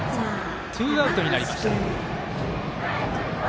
ツーアウトになりました。